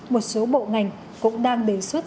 một số bộ ngành cũng đang đề xuất